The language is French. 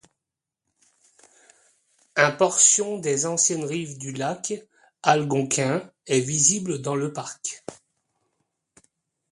Un portion des anciennes rives du lac Algonquin est visible dans le parc.